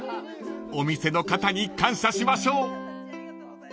［お店の方に感謝しましょう］